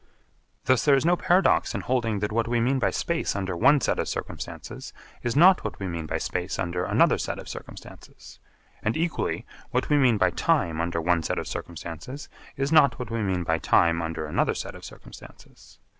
Thus there is no paradox in holding that what we mean by space under one set of circumstances is not what we mean by space under another set of circumstances. And equally what we mean by time under one set of circumstances is not what we mean by time under another set of circumstances.